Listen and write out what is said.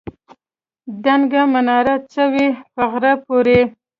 دنګه مناره څه وي په غره پورې.